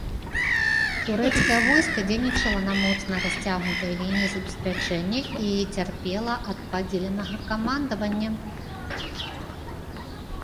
Турэцкае войска дзейнічала на моцна расцягнутай лініі забеспячэння і цярпела ад падзеленага камандавання.